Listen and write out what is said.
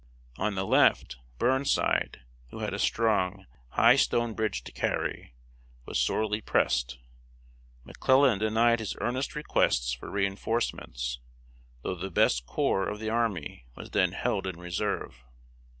On the left, Burnside, who had a strong, high stone bridge to carry, was sorely pressed. McClellan denied his earnest requests for re enforcements, though the best corps of the army was then held in reserve.